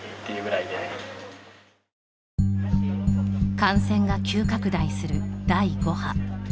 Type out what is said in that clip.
感染が急拡大する第５波。